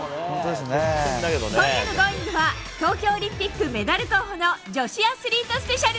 今夜の「Ｇｏｉｎｇ！」は東京オリンピックメダル候補の女子アスリートスペシャル。